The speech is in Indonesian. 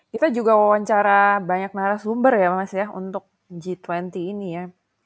kita juga wawancara banyak narasumber ya mas ya untuk g dua puluh ini ya